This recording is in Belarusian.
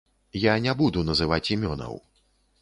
Я не буду называць імёнаў.